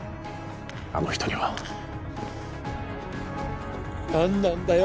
あの人には何なんだよ